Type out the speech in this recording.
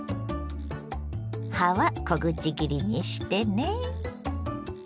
葉は小口切りにしてね。